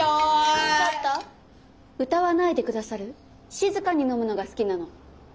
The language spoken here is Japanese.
静かに飲むのが好きなの。